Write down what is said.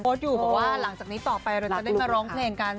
อยู่บอกว่าหลังจากนี้ต่อไปเราจะได้มาร้องเพลงกัน